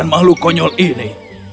dan makhluk konyol ini